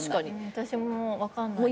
私も分かんない。